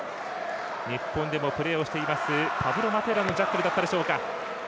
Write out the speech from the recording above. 日本でもプレーをしているパブロ・マテーラのジャッカルだったでしょうか。